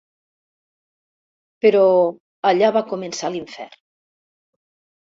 Però allà va començar l'infern.